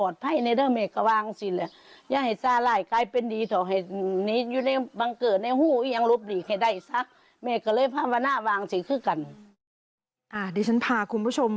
เดี๋ยวฉันพาคุณผู้ชม